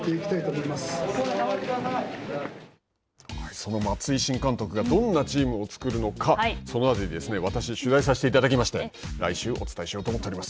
その松井新監督がどんなチームを作るのかその辺り、私が取材いたしまして来週お伝えしようと思っております。